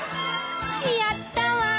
やったわー。